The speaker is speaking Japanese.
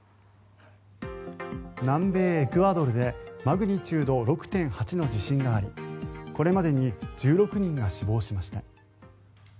南米エクアドルでマグニチュード６．８の地震がありこれまでに１６人が死亡しました。